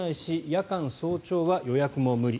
夜間早朝は予約も無理。